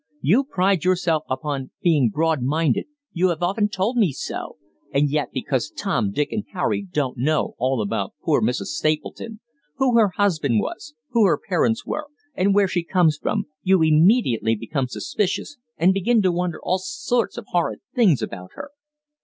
You pride yourself upon being broadminded you have often told me so and yet because Tom, Dick and Harry don't know all about poor Mrs. Stapleton who her husband was, who her parents were, and where she comes from you immediately become suspicious, and begin to wonder all sorts of horrid things about her."